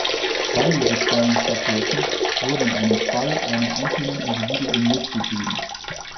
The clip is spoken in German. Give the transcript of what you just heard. Zwei dieser kleinen Statuetten wurden in einem Fall einem einzelnen Individuum mitgegeben.